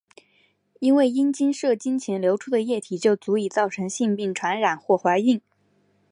因为阴茎射精前流出的液体就足以造成性病传染或怀孕。